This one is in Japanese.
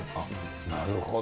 なるほど。